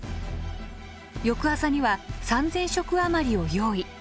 翌朝には３，０００食余りを用意。